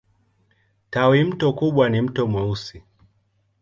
Tawimto kubwa ni Mto Mweusi.